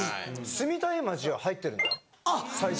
住みたい街には入ってるんだよ埼玉。